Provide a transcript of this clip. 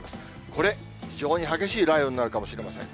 これ、非常に激しい雷雨になるかもしれません。